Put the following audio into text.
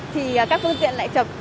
thì các phương tiện lại chập